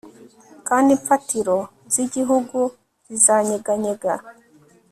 kandi imfatiro z'igihugu zizanyeganyega